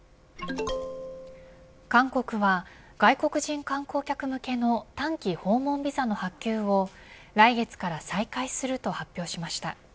韓国は外国人観光客向けの短期訪問ビザの発給を来月から再開すると発表しました。